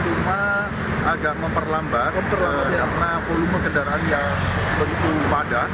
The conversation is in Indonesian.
cuma agak memperlambat karena volume kendaraan yang begitu padat